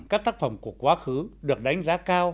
các tác phẩm của quá khứ được đánh giá cao